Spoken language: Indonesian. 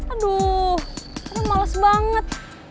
aduh malas banget